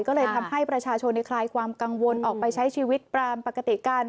ก็เลยทำให้ประชาชนในคลายความกังวลออกไปใช้ชีวิตตามปกติกัน